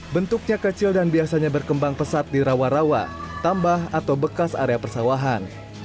bentuknya kecil dan biasanya berkembang pesat di rawa rawa tambah atau bekas area persawahan